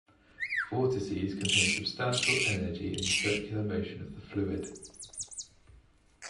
Vortices contain substantial energy in the circular motion of the fluid.